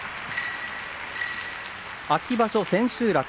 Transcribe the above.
秋場所千秋楽。